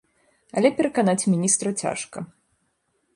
Але пераканаць міністра цяжка.